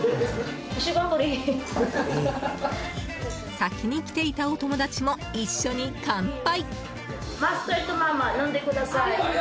先に来ていたお友達も一緒に乾杯。